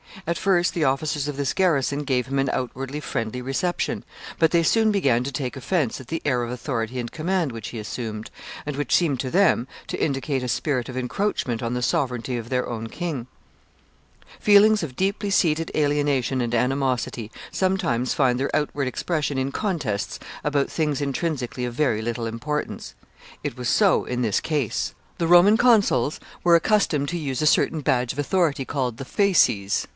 At first the officers of this garrison gave him an outwardly friendly reception, but they soon began to take offense at the air of authority and command which he assumed, and which seemed to them to indicate a spirit of encroachment on the sovereignty of their own king. [Sidenote: The Roman fasces.] [Sidenote: The lictors.] Feelings of deeply seated alienation and animosity sometimes find their outward expression in contests about things intrinsically of very little importance. It was so in this case. The Roman consuls were accustomed to use a certain badge of authority called the fasces.